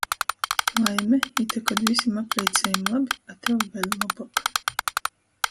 Laime - ite kod vysim apleicejim labi, a tev vēļ lobuok!...